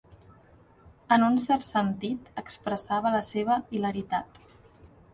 En un cert sentit, expressava la seva hilaritat.